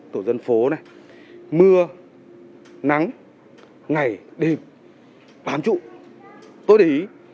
tổ dân phố này mưa nắng ngày đêm bám trụ tối đế ý